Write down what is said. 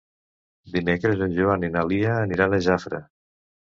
Dimecres en Joan i na Lia aniran a Jafre.